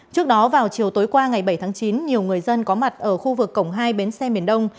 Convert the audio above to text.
trước đó vào chiều tối qua ngày bảy tháng chín nhiều người dân có mặt ở khu vực cổng hai bến xe miền đông